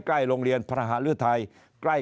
ใกล้โรงเรียนพระหรือไทย